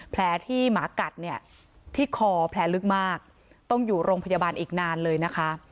แผลที่หมากัดเนี่ยที่คอแผลลึกมากต้องอยู่โรงพยาบาลอีกนานเลยนะคะ